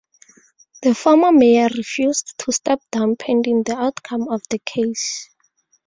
The former mayor refused to step down pending the outcome of the case.